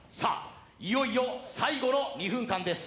いよいよ最後の２分間です。